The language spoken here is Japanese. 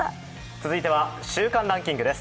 続いては週間ランキングです。